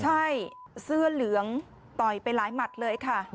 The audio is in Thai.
ใช่เสื้อเหลืองต่อยไปหลายหมัดเลยค่ะ